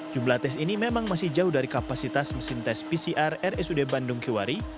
jumlah tes ini memang masih jauh dari kapasitas mesin tes pcr rsud bandung kiwari